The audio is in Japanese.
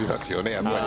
やっぱり。